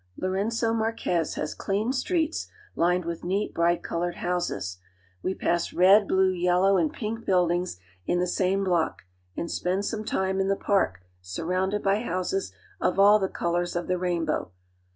Louren^o Marquez has clean streets, lined with neat, bright colored houses. We pass red, blue, yellow, and pink buildings in the same block, and spend some time in the park surrounded by houses of all the colors of th« rainbow.